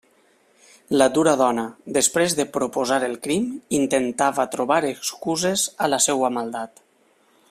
La dura dona, després de proposar el crim, intentava trobar excuses a la seua maldat.